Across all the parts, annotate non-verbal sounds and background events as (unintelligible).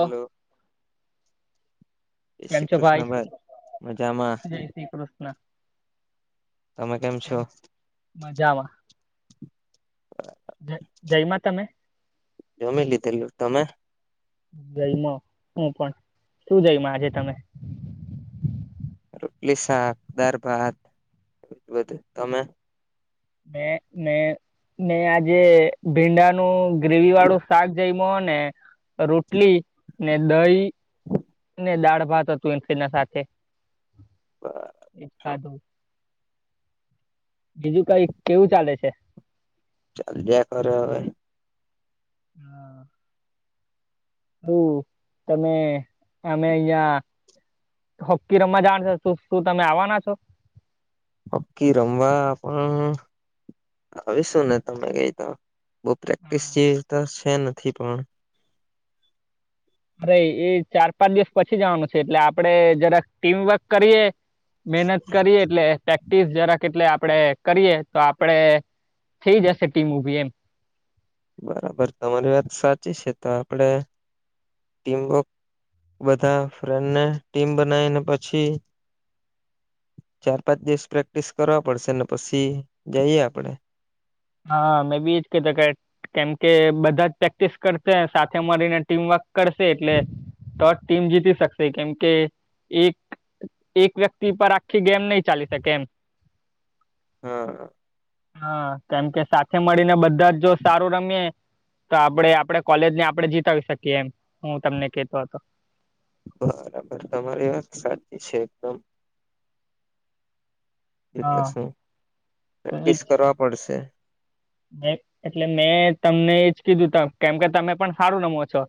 Hello જય કેમ શ્રી છો ભાઈ? કૃષ્ણભાઈ મજામાં જય શ્રી કૃષ્ણ. તમે કેમ છો? મજામાં. જમ્યા તમે? જમી લીધેલું. તમે? જમ્યા હું પણ, શું જમ્યા આજે તમે? રોટલી, શાક, દાળ, ભાત બધું. તમે? મે મે ને આજે ભીંડાનું ગ્રેવી વાળું શાક જઈમો હો ને રોટલી ને દહી ને દાળ ભાત હતું, એના સાથે એજ ખાધું. બીજું કઈ કેવું ચાલે છે? ચાલ્યા કરે હવે. હા. (unintelligible) તમે અમે અહીંયા હોકી રમવા જવાના છે શું તમે આવવાના છો હોકી રમવા પણ આવીશું ને તમે કેય તો બો પ્રેક્ટિસ જે તો છે નથી પણ અરે એ ચાર પાંચ દિવસ પછી જવાનું છે એટલે આપડે જરાક ટીમ વર્ક કરીએ મહેનત કરીએ એટલે પ્રેક્ટિસ જરાક એટલે આપડે કરીએ તો આપડે થઈ જશે ટીમ ઉભી એમ બરાબર તમારી વાત સાચી છે તો આપડે ટીમવર્ક બધા ફ્રેન્ડને ટીમ બનાવીને પછી ચાર પાંચ દિવસ પ્રેક્ટિસ કરવા પડશે ને પછી જઈએ આપડે હા મેં બી એજ કેતો કે કેમ કે બધા જ પ્રેક્ટિસ કરશે સાથે મળીને ટીમવર્ક કરશે એટલે તો જ ટીમ જીતી શકશે કેમ કે એક એક વ્યક્તિ પર આખી ગેમ નહી ચાલી શકે એમ હા હા કેમ કે સાથે મળીને બધા જો સારું રમીએ તો આપણે આપડે કોલેજ ને આપણે જીતાવી શકીએ એમ હું તમને કેતો હતો બરાબર તમારી વાત સાચી છે એકદમ એ તો હા શું તો ઈ પ્રેક્ટિસ જ કરવા પડશે એટલે મેં તમને એજ કીધું ત કેમ કે તમે પણ સારું રમો છો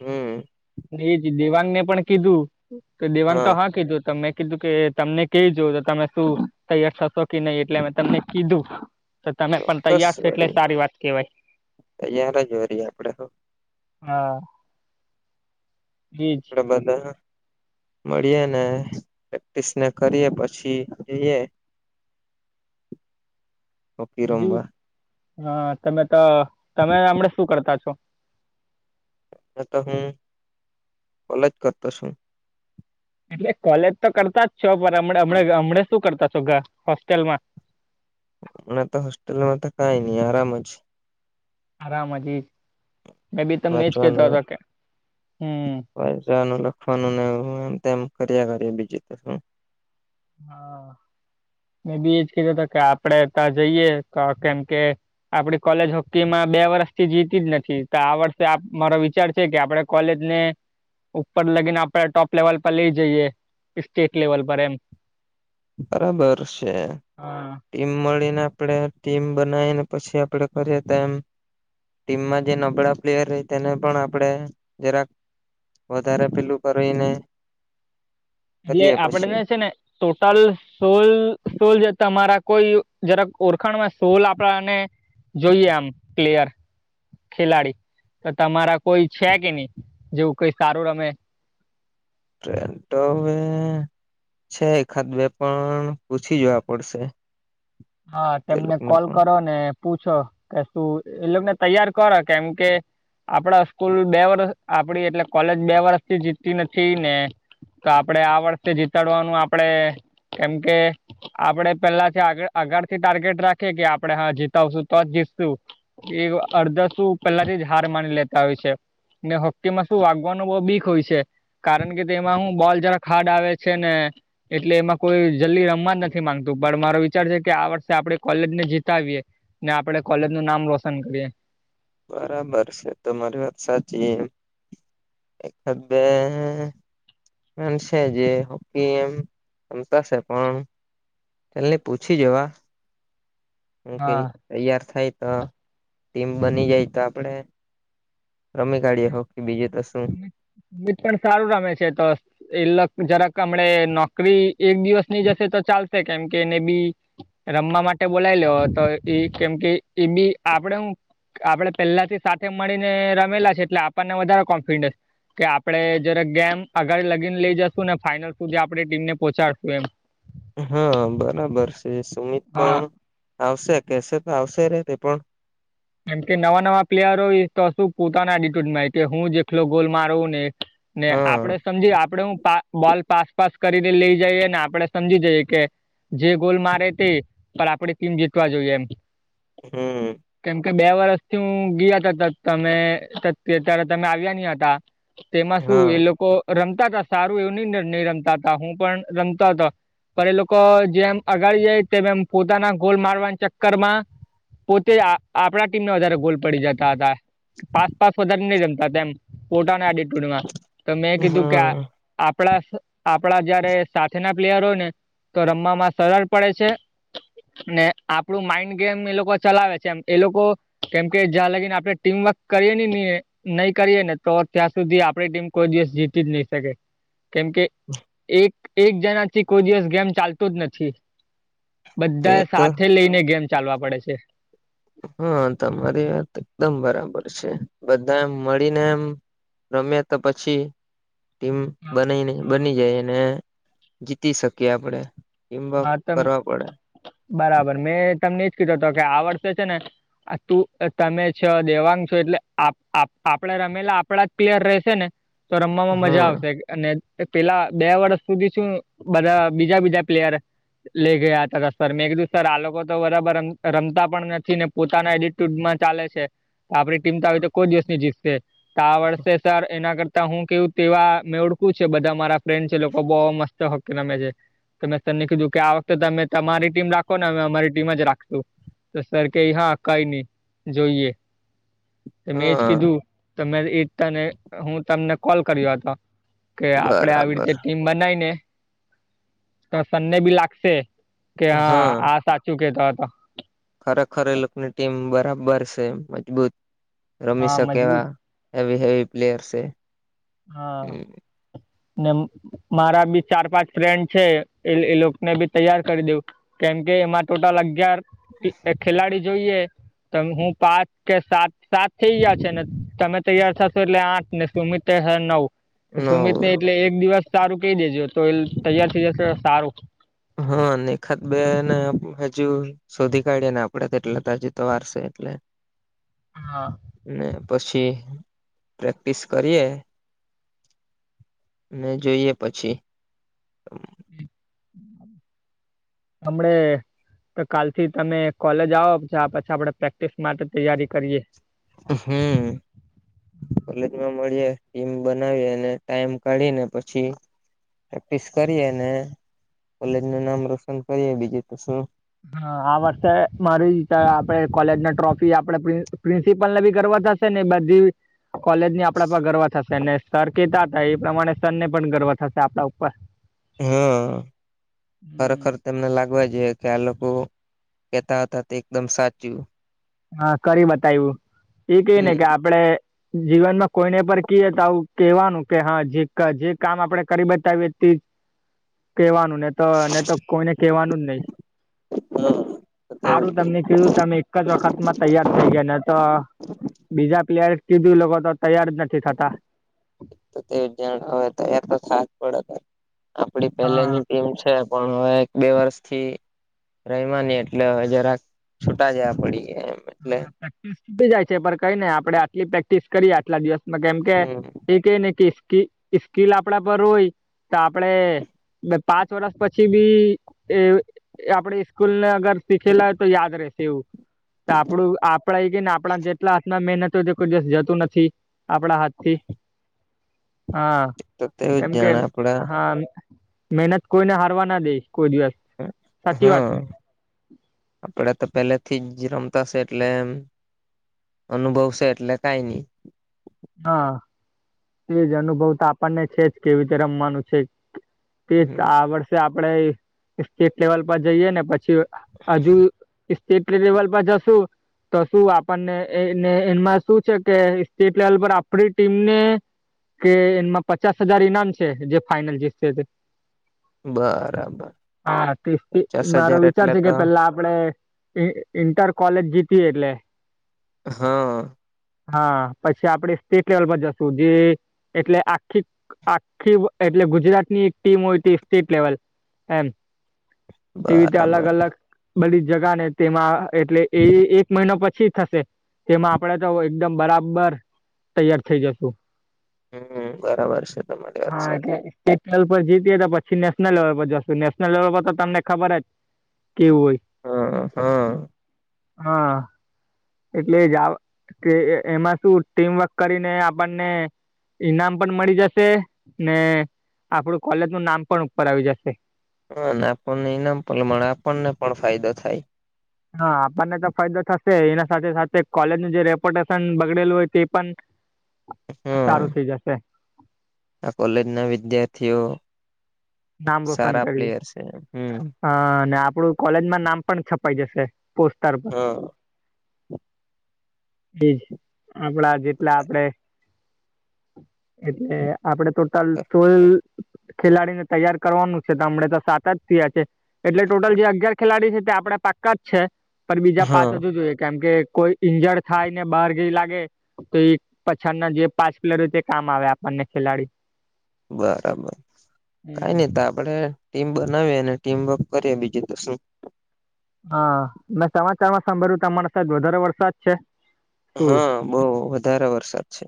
હમ એ જ દેવાંગને પણ કીધું તો દેવાંગ તો હા કીધું તો મેં કીધું કે તમને કેય જો તો તમે શું તૈયાર થશો કે નહી એટલે અ તમને કીધું તો તમે પણ ચોક્કસ તૈયાર છે એટલે વરી સારી વાત કેહેવાય તૈયાર જ વરી આપડે હો. હા વ્રીજ બધાના (unintelligible) મળીએ ને પ્રેક્ટિસ ને કરીએ પછી જઈએ હ બીજું હ તમે તો તમે હમણા શું કરતા છો એ તો હું કોલેજ કરતો છું એટલે કોલેજ તો કરતા જ છો પણ હમણા હમણા શું કરતા છો ઘ હોસ્ટેલમાં મે તો હોસ્ટેલમાં તો કઈ નહી આરામ જ આરામ હજી મે બી તમને એ જ કેતો કે હમ્મ પૈસાનું લખવાનું એમ તેમ કર્યા કરે બીજુ તો શુ હા મેં બી એજ કેતો હતો કે આપડે ત્યાં જઈએ કા કેમ કે આપડી કોલેજ હોકી માં બે વર્ષથી જીતી જ નથી તો આ વર્ષે મારો વિચાર છે કે આપડે કોલેજ ને ઉપર લગીને આપડે ટોપ લેવલ પર લઈ જઈએ સ્ટેટ લેવલ પર એમ બરાબર છે હા ટીમ મળીને આપણે ટીમ બનાવીને પછી આપણે કરીએ તો એમ ટીમમાં જે નબળા પ્લેયર રેય તેને પણ આપણે જરાક વધારે પેલું કરે એને એટલે આપડને છે ને ટોટલ સોલ સોલ જે તમારા કોઈ જરાક ઓળખાણ માં સોલ આપડાને જોઈએ આમ પ્લેયર ખેલાડી, તો તમારા કોઈ છે કે નહી, જેવું કઈ સારું રમે? (unintelligible) છે એખાદ બે પણ, પૂછી જોવા પડશે. હા તે તેમને લોકોને કોલ પણ કરો ને. પૂછો કે શું, એ લોકોને તૈયાર કરો, કેમ કે- આપડા સ્કૂલ બે વરસ આપડી એટલે કોલેજ બે વરષથી જીતતી નથી ને. તો આપડે આ વર્ષે જીતાડવાનું આપડે કેમ કે આપડે પેલાથી આગળ આગળ થી ટાર્ગેટ રાખીએ કે આપડે હા જીતાવશું તોજ જીતશું. એ અડધાસું, પહેલાથી જ હાર માની લેતા હોય છે. ને હોક્કી માં શું, વાગવાનું બહુ બીક હોય છે. કારણ કે તેમાં હું, બોલ જરા ખાડા આવે છે ને. એટલે એમાં કોઈ જલ્દી રમવા નથી માંગતું‌ (unintelligible) વિચાર કે આ વર્ષે આપે કોલેજ ને જીતાવીએ ને આપડે કોલેજ નું નામ રોશન કરીએ. બરાબર છે તમારી વાત સાચી એમ એક બે હાલશે જે હોય એમ રમતાશે પણ. પેલ્લા પૂછી જોવે એને હા કઈ તૈયાર થાય તો, ટીમ બની જાય તો આપડે રમી કાઢીએે હો કી બીજું તો શું મીત પણ સારું રમે છે તો એ લક જરાક હમડા નોકરી એક દિવસ ની જ હશે તો ચાલશે, કેમ કેને બી રમવા માટે બોલાવી લેવો તો ઈ, કેમ કે, ઈ બી આપડે હું આપડે પહેલાથી સાથે મળીને રમેલા છે એટલે આપણને વધારે કોન્ફિડન્સ કે આપડે જરાક‌ ગેમ આગલ લગીને લઇ જશું ને ફાઈનલ સુધી આપણે ટીમને પહોંચાડશું, એમ. હા બરાબર છે સુમિત હા પણ આવશે, કેશે તો આવશે ને તે પણ. કેમકે નવા નવા પ્લેયર હોય, તો શું, પોતાના એડિટ્યુડમાં હોય, કે હું, જેટલો ગોલ મારું ને ને હા આપડે સમજીએ, આપડે હું પા બોલ પાસ પાસ કરીને લઈ જઈએ ને, આપડે સમજી જઈએ કે જે ગોલ મારે તે, પણ આપણી ટીમ જીતવા જોઈએ એમ. હમ કેમ કે, બે વર્ષથી હું, ગિયા કરતોતો તમે ત્યારે તમે આવ્યા નહીં હતા. તેમાં શું, હા એ લોકો રમતાતા સારું એવું બન્ને રમતા હતા, હું પણ રમતા હતો. પણ એ લોકો જેમ, આગાળ જાઈય તેમ એમ પોતાના ગોલ મારવાના ચક્કર માં પોતે આ આપણા ટીમને વધારે ગોલ પડી જતા હતા. પાસ પાસ વધારે નહી જમતાતા ન. પોતાના (unintelligible) (unintelligible) તો મેં કીધું કે આ હા આપણાસ આપણા જયારે સાથે ના પ્લેયર હોય ને તો, રમવામાં સરળ પડે છે. ને આપડું માઈન્ડ ગેમ ને એ લોકો ચલાવે છે એમ એ લોકો, કેમ કે, જ્યાં લગીને આપડે ટીમવર્ક કરીએ નહીં ને એ નહી કરીએ ને તો, ત્યાં સુધી આપડી ટીમ, કોઈ દિવસ જીતી જ નહી શકે. કેમ કે, એક એક જણાથી, કોઈ દિવસ ગેમ ચાલતું જ નથી. તે બધા, તો સાથે લઈને, ગેમ ચાલવા પડે છે. હા યાર, તમારી વાત, એકદમ બરાબર છે. બધાય મળીને એમ રમ્યા તો પછી ટીમ બનાઈને બની જાય, ને, જીતી શકીએ આપડે. ટીમવર્ક હા તન કરવા પડે બરાબર મેં તમને એ જ કીધો હતો કે આ વર્ષે છે ને આ તું તમે છ દેવાંગ છો એટલે આપ આપ આપડા રમેલા આપડા જ ક્લિયર રહેશે ને. તો રમવામાં મજા હા આવશે. અને પેલા બે વર્ષ સુધી શું બધા બીજા બીજા પ્લેયર લઈ ગયા તા હતા સર મેં કીધું સર આ લોકો તો બરાબર રમતા પણ નથી ને પોતાના એડટ ટૂંક માં ચાલે છે તો આપડી ટીમ તો આવી તો કો જ દિવસની જીતશે. તો આ વર્ષે સર એના કરતા હું કેવું તેવા મેળખું છે બધા મારા ફ્રેન્ડ છે લોકો બહુ મસ્ત હ કે નામે છે. તમને કીધું કે આ વખતે તમે તમારી ટીમ રાખો ને અમે અમારી ટીમ જ રાખશું. તો સર કઈ હા કઈ નહી જોઈએ. મેં એજ હા કીધું તમે એકતા ને હું તમને કોલ કર્યો હતો. કે આપડે આવી બરાબર રીતે ટીમ બનાઈ ને તો તને બી લાગશે કે હા આ સાચું કેતા હતા. ખરેખર એ લોકોની ટીમ બરાબર છે મજબૂત રમી હા શકે મજબૂત એવા. હેવી હેવી પ્લેયર સે. હા ને એમ મારા બી ચાર પાંચ ફ્રેન્ડ છે એ એ લોકોને બી તૈયાર કરી દેવું. કેમ કે એમાં ટોટલ અગિયાર કે એક ખેલાડી જોઈએ તો હું પાંચ કે સાત સાત થઈ ગયા છે ને તમે તૈયાર થશો એટલે આઠ ને સુમિત થશે નવ નો સુમિત નહી એટલે એક દિવસ સારું કહી દેજો તો એ તૈયાર થઈ જશે સારું હા નિખાત બેને હજુ શોધી કાઢીએ ને આપણે તેટલે તો હજી તો વારસે એટલે. હા. ને પછી પ્રેક્ટિસ કરીએ ને જોઈએ પછી હમ્મ. અમન્ડે તો કાલથી તમે કોલેજ આવો ત્યારે પછી આપણે પ્રેક્ટિસ માટે તૈયારી કરીએ. હમ્મ. કોલેજમાં મળીએ ટીમ બનાવીએ અને ટાઈમ કાઢીને પછી પ્રેક્ટિસ કરીએ ને કોલેજ નું નામ રોશન કરીએ બીજું તો શું હા આ વર્ષે મારી આપણે કોલેજ ની ટ્રોફી આપણે પ્રિન્સી પ્રિન્સિપલ ને ભી ગર્વ થશે થશે ને એ બધી કોલેજ ની આપડા પર ગર્વ થશે. તેને સર કેતા હતા એ પ્રમાણે સર ને પણ ગર્વ થશે આપડા ઉપર. હા હમ ખરેખર. તેમને લાગવા જોઈએ કે આ લોકો કેતા હતા તે એકદમ સાચું. હા કરી બતાવ્યું એ કે ને હમ કે આપડે જીવન માં કોઈને પર કહીએ તો આવ કેવાનું કે હા જે જે કામ આપડે કરી બતાવીએ તે કહેવાનું ને તો ને તો કોઈને કવાનું જ નહી સારું તમને કીધું તમને એક જ વખ ખત માં તૈયાર થઈ ગયા ને તો બીજા પ્લેયર કીધું લોકો તો તૈયાર જ નથી થતા. તે જણ હવે તો ત્યાં તો સાથ પડે તે. આપણી હા પહેલેની ટીમ છે પણ હવે એક બે વર્ષથી રમ્યા નહી એટલે જરાક છૂટા જયા પડી ગયા એમ. એટલે હા પેક્ટિસ તૂટી જાય છે પણ કઈ નઈ આપણે આટલી પ્રેક્ટિસ કરીએ આટલા દિવસમાં કેમ કે હમ (unintelligible) કિસ કી ઈ સ્કિલ આપણા પર હોય તો આપણે (unintelligible) પાંચ વરસ પછી ભી (unintelligible) એ આપણી સ્કૂલને અગર શીખેલા હોય તો યાદ રેશ એવું તો આપણું આપણા ઈ કેને આપણાન જેટલા હાથના મેનતો જોકો (unintelligible) દિવસ જતું નથી આપણા હાથથી આ તો તેવું કેમ જ કે જાણે આપડા હા મેનત કોઈને હારવા ના દેય કોઈ દિવસ હ સાચી વાત ને આપણા તો પેલેથી જ રમતાસ એટલેમ અનુભવશે એટલે કાંઈ ની હા તેજ અનુભવ તો આપણને છે જ કેવી રમવાનું છે. ટેસ્ટ હમ આ વર્ષે આપડે સ્ટેટ લેવલ પર જઈએ ને પછી હજુ (unintelligible) પર જશું તો શું આપણને એને એનમાં શું છે કે સ્ટેટ (unintelligible) પર આપણી ટીમને કે એનમાં પચાસ હજાર ઈનામ છે જે ફાઈનલ જીતશે તે બરાબર હા તીસ્તી પચાસ મારો હજાર વિચાર એટલે છે કે તો પેલા આપ (unintelligible) ઇ ઇન્ટર કોલેજ જીકી એટલે હ હા પછી આપડે સ્ટેટ લેવલ પર જશું જે એટલે આખી આખીવ એટલે ગુજરાતની એક ટીમ હોય તે સ્ટેટ લેવલ એમ તે રીતે અલગ બરાબર અલગ બધી જગાને તેમાં એટલે એ એક મહિનો પછી થશે તેમાં આપડે તો એકદમ બરાબર તૈયાર થઈ જશું. હમ્મ બરાબર છે તમારી વાત હા સાચ એટલે સ્ટેટ લેવલ પર જીતીએ તો પછી નેશનલ લેવલ પર જશું નેશનલ લેવલ પર તો તમને ખબર જ કેવું હોય હા-હા હા એટલે જ આવ કે એમાં શું ટીમવર્ક કરીને આપણને ઈનામ પણ મળી જશે ને આપણું કોલેજનું નામ પણ ઉપર આવી જશે હ નાપણને ઈનામ પણ મળે આપણને પણ ફાયદા થાય. હા આપણને તો ફાયદો થશે એના સાથે સાથે કોલેજનું જે રેપોટેશન બગડેલું હોય તે પન હમ સારું થઈ જાશે. આ કોલેજના વિદ્યાર્થીઓ સારા પ્લેયર સે હમ્મ હા ને આપડું કોલેજમાં નામ પણ છપાય જશે (unintelligible) હ ઈ જ આપડા જેટલા આપડે એટલે આપડે ટોટલ સોલ ખેલાડીને તૈયાર કરવાનું છે તો હમણે તો સાત જ થિયા છે. એટલે ટોટલ જે અગિયાર ખેલાડી છે તે આપણે પાક્કા જ છે. પર બીજા પાંચ હા હજું જોઈએ કેમ કે કોઈ ઈંજળ થાય ને બાર ગેય લાગે તો ઈ પછાળના જે પાંચ (unintelligible) હોય તે કામ આવે આપણને ખેલાડી બરાબર કાંઈ હમ ની તો આપડે ટીમ બનાવી અને ટીમ વક કરીએ બીજું તો શું હા મેં સમાચારમાં સાભળ્યું (unintelligible) સાયબ વધારે વરસાદ છે શું હા, બહ વધારે વરસાદ છે.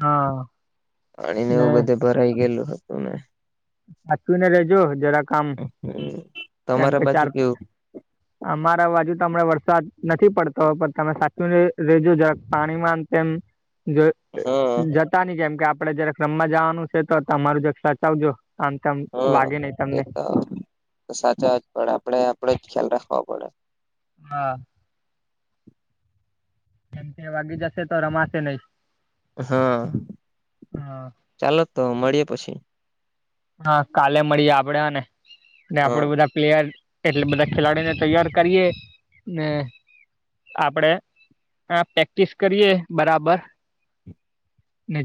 હા. પાણી ને આવું બધે ભરાઈ ગેલું હ હતુ ને. સાચવી ને રેજો જરાક આમ. હમ કેમ તમારા કે બાજુ ચાર કેવું અમારા બાજુ તો હમણાં વરસાદ નથી પડતો પણ તમે સાચું રેજો જરાક પાણીમાં તેમ જો હા જતા નહી કેમ કે આપડે જયારે રમવા જવાનું છે તમારું જ આમ તેમ હા લાગે નહ એ તમને. તો સાચા જ પડે આપડણે આપડે જ ખ્યાલ રાખવાો પડે. હા મ વાગી જશે તો રમાશે નહી. હા હા ચાલો તો મળીએે પછી. હા કાલે મળીએ આપડેને હા આપડે બધા પ્લેયર એટલે બધા ખેલાડીઓને તૈયાર કરીએ ને. આપડે આ પ્રેક્ટિસ કરીએ બરાબર ને